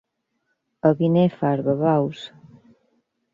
A Binèfar, babaus.